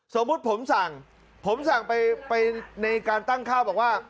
สมมุติผมสั่งผมสั่งไปในการตั้งข้าวบอกว่า